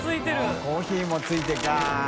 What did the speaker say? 舛コーヒーも付いてか。